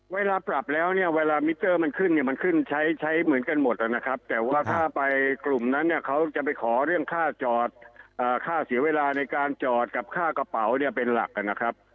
เวลาปรับแล้วเนี่ยเวลามิเตอร์มันขึ้นเนี่ยมันขึ้นใช้ใช้เหมือนกันหมดนะครับแต่ว่าถ้าไปกลุ่มนั้นเนี่ยเขาจะไปขอเรื่องค่าจอดค่าเสียเวลาในการจอดกับค่ากระเป๋าเนี่ยเป็นหลักนะครับ